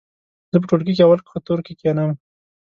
زه په ټولګي کې اول قطور کې کېنم.